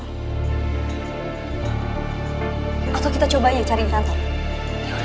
atau kita coba aja cari kantor